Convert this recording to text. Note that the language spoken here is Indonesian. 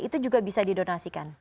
itu juga bisa didonasikan